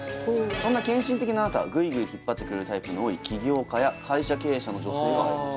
そんな献身的なあなたはグイグイ引っ張ってくれるタイプの多い起業家や会社経営者の女性が合います